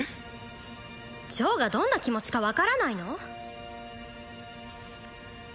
チョウがどんな気持ちか分からないの？